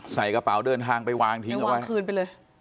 ใส่กระเป๋าเดินทางไปวางทิ้งเอาไว้